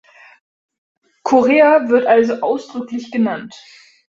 Korea wird also ausdrücklich genannt.